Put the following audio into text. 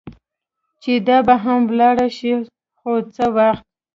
چې دا به هم ولاړه شي، خو څه وخت.